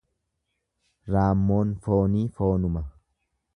Raammoon foonii foonuma.